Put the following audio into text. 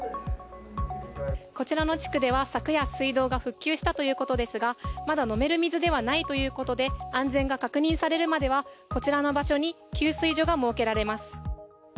こちらの地区では昨夜、水道が復旧したということですがまだ飲める水ではないということで安全が確認されるまではこちらの場所に給水所が設けられます。